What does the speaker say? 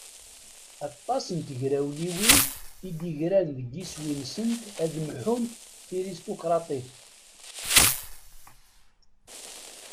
Aṭas n tegrawliwin i d-yegren deg iswi-nsent ad mḥunt tiristukraṭit.